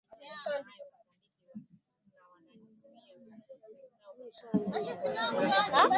Aliyapanga kufuatana na ukubwa na kutazama yale yaliyokuwa na vipimo vya karibu